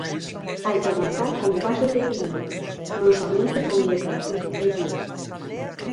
Hai que avanzar con pasos decididos, non soamente con declaracións de intencións.